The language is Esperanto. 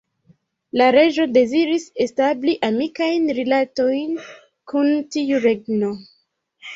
La reĝo deziris establi amikajn rilatojn kun tiu regno.